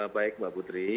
baik mbak putri